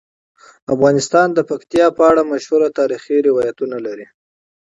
افغانستان د پکتیا په اړه مشهور تاریخی روایتونه لري.